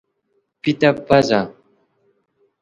پیته پزه